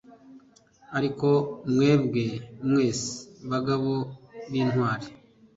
ariko mwebwe mwese, bagabo b'intwari